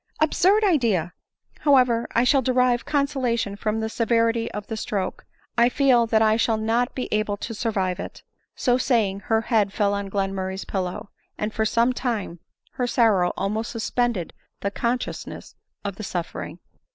Absurd idea ! However, I shall derive conso lation from the severity of the stroke ; I feel that I shall not be able to survive it." So saying, her head, fell on Glenmurray's pillow; and for some time, her sorrow almost suspended the consciousness of suffering.